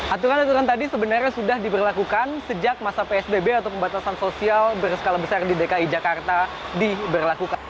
aturan aturan tadi sebenarnya sudah diberlakukan sejak masa psbb atau pembatasan sosial berskala besar di dki jakarta diberlakukan